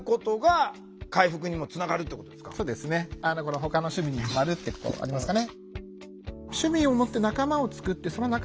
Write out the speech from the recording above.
「ほかの趣味にハマる」ってところありますかね。